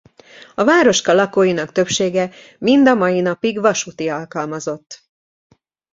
A városka lakóinak többsége mind a mai napig vasúti alkalmazott.